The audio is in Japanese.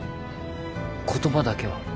言葉だけは。